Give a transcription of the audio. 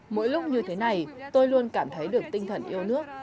mỗi lúc như thế này tôi luôn cảm thấy được tinh thần yêu nước